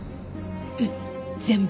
うん全部。